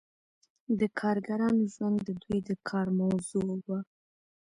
د کارګرانو ژوند د دوی د کار موضوع وه.